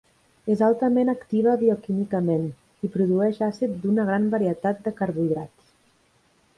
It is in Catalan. És altament activa bioquímicament, i produeix àcid d'una gran varietat de carbohidrats.